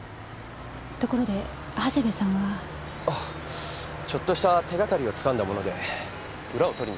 ところで長谷部さんは？あっちょっとした手掛かりをつかんだもので裏を取りに。